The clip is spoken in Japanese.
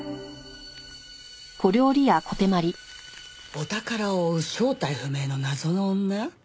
お宝を追う正体不明の謎の女？